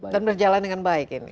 dan berjalan dengan baik ini